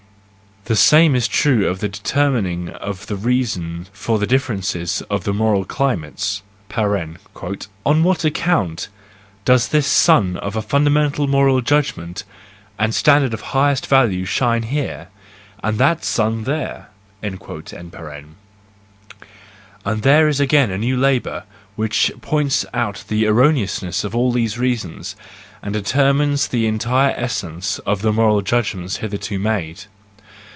The same is true of the determining of the reasons for the differences of the moral climates (" on what account does this sun of a fundamental moral judg¬ ment and standard of highest value shine her$—and 44 THE JOYFUL WISDOM, I that sun there ?"). And there is again a new labour which points out the erroneousness of all these reasons, and determines the entire essence of the moral judgments hitherto made.